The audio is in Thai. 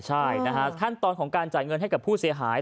ใช่นะฮะขั้นตอนของการจ่ายเงินให้กับผู้เสียหาย